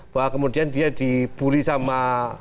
bahwa kemudian dia dibully sama